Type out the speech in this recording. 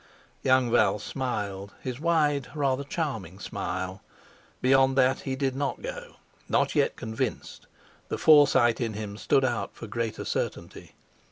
Young Val smiled—his wide, rather charming smile. Beyond that he did not go—not yet convinced. The Forsyte in him stood out for greater certainty.